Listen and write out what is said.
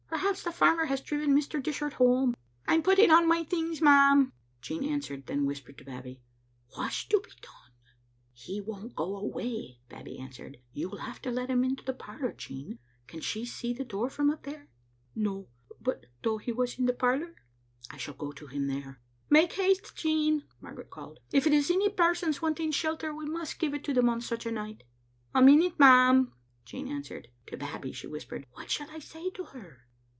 Perhaps the farmer has driven Mr. Dishart home. "" I'm putting on my things, ma'am," Jean answered; then whispered to Babbie, " What's to be done?" He won't go away," Babbie answered. "You will have to let him into the parlor, Jean. Can she see the door from up there?" " No ; but though he was in the parlor?" " I shall go to him there. " "Make haste, Jean," Margaret called. "If it is any persons wanting shelter, we must give it them on such anight." " A minute, ma'am," Jean answered. To Babbie she whispered, "What shall I say to her?"